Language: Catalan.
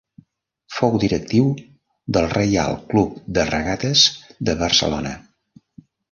Fou directiu del Reial Club de Regates de Barcelona.